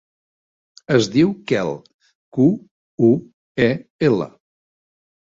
Es diu Quel: cu, u, e, ela.